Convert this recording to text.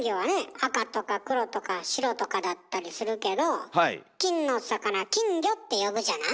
赤とか黒とか白とかだったりするけど金の魚「金魚」って呼ぶじゃない？